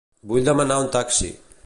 Vull demanar un taxi.